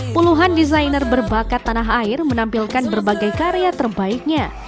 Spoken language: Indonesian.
puluhan desainer berbakat tanah air menampilkan berbagai karya terbaiknya